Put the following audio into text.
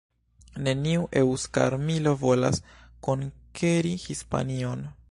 Neniu eŭska armilo volas konkeri Hispanion".